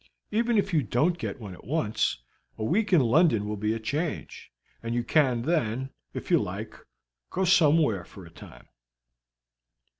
Even if you don't get one at once, a week in London will be a change, and you can then, if you like, go somewhere for a time.